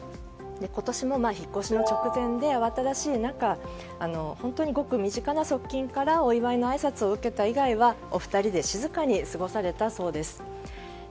今年も引っ越しの直前で慌ただしい中本当にごく身近な側近からお祝いのあいさつを受けた以外はお二人で静かに過ごされたようです。